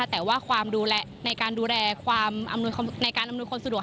แต่ว่าความในการดูแลความในการอำนวยความสะดวก